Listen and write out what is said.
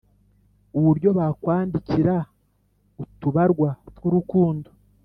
Uburyo bakwandikira utubarwa tw'urukundo